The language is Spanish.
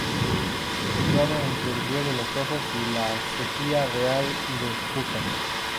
Situado entre el río de los Ojos y la Acequia Real del Júcar.